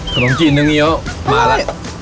ขนมจีนนึงเยอะมาล่ะ